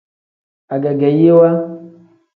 Agegeyiwa.